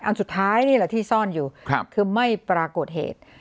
อันสุดท้ายนี่แหละที่ซ่อนอยู่คือไม่ปรากฏเหตุ